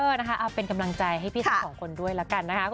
นะคะเอาเป็นกำลังใจให้พี่ทั้งสองคนด้วยละกันนะคะ